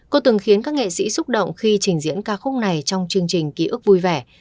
cô từng khiến các nghệ sĩ xúc động khi trình diễn ca khúc này trong chương trình ký ức vui vẻ